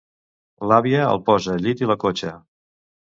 L'àvia el posa al llit i l'acotxa.